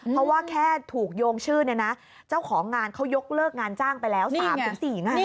เพราะว่าแค่ถูกโยงชื่อเนี่ยนะเจ้าของงานเขายกเลิกงานจ้างไปแล้ว๓๔งาน